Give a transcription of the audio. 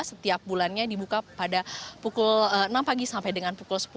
setiap bulannya dibuka pada pukul enam pagi sampai dengan pukul sepuluh